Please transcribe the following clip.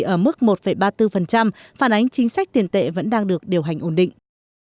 ở mức một ba mươi bốn phản ánh chính sách tiền tệ vẫn đang được điều hành ổn định